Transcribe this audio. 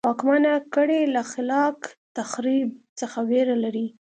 واکمنه کړۍ له خلاق تخریب څخه وېره لري.